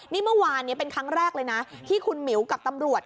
นี่เมื่อวานนี้เป็นครั้งแรกเลยนะที่คุณหมิวกับตำรวจ